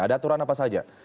ada aturan apa saja